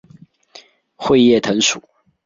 穗叶藤属。